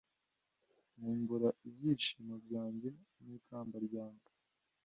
nkumbura ibyishimo byanjye n ikamba ryanjye